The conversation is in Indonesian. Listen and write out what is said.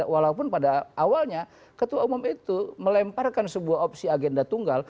walaupun pada awalnya ketua umum itu melemparkan sebuah opsi agenda tunggal